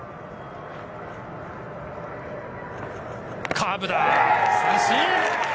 カーブだ、三振。